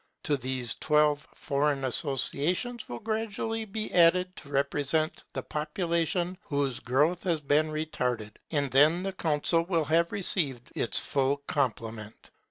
To these twelve foreign associates will gradually be added, to represent the populations whose growth has been retarded; and then the Council will have received its full complement.